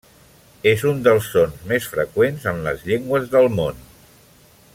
És un dels sons més freqüents en les llengües del món.